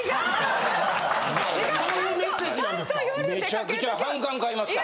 そういうメッセージなんですか？